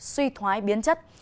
suy thoái biến chất